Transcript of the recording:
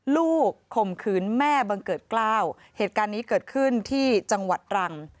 ข่มขืนแม่บังเกิดกล้าวเหตุการณ์นี้เกิดขึ้นที่จังหวัดตรัง